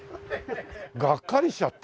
がっかりしちゃって。